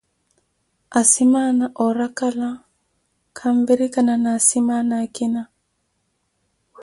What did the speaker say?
Asimaana oorakala khanvirikana na asimaana akina.